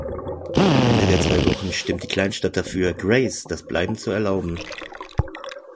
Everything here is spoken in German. Am Ende der zwei Wochen stimmt die Kleinstadt dafür, Grace das Bleiben zu erlauben.